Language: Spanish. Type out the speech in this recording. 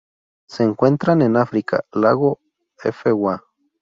Se encuentran en África: lago Fwa.